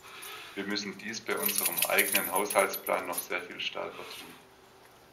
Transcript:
Wir müssen dies bei unserem eigenen Haushaltsplan noch sehr viel stärker tun.